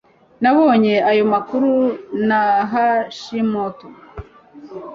nabonye ayo makuru na hashimoto